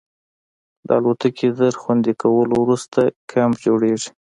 د الوتکې تر خوندي کولو وروسته کیمپ جوړیږي